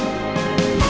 ya allah ya allah